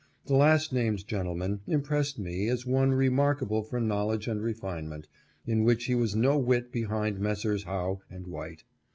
The last named gentleman impressed me as one remarkable for knowledge and refinement, in which he was no whit behind Messrs. Howe and White.